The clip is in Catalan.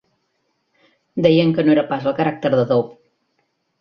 Deien que no era pas el caràcter de Dove.